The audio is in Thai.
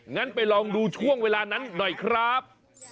งั้นไปลองดูช่วงเวลานั้นหน่อยครับ